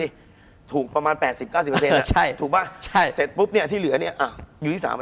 คุณผู้ชมบางท่าอาจจะไม่เข้าใจที่พิเตียร์สาร